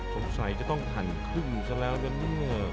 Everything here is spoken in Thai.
สงสัยจะต้องหั่นครึ่งซะแล้วนะเนี่ย